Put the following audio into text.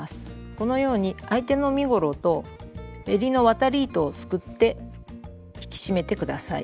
このように相手の身ごろとえりの渡り糸をすくって引き締めて下さい。